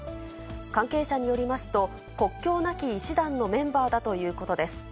関係者によりますと、国境なき医師団のメンバーだということです。